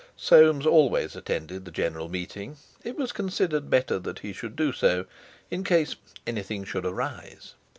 Soames always attended the General Meeting; it was considered better that he should do so, in case "anything should arise!"